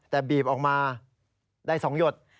แต่บีบออกมาได้๒หยด